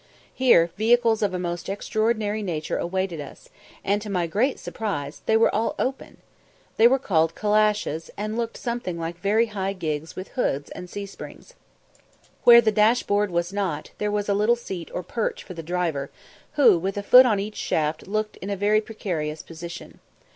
Here vehicles of a most extraordinary nature awaited us, and, to my great surprise, they were all open. They were called calashes, and looked something like very high gigs with hoods and C springs. Where the dash board was not, there was a little seat or perch for the driver, who with a foot on each shaft looked in a very precarious position.